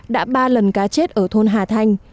đã ba lần cá chết ở thôn hà thanh